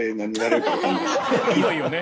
いよいよね。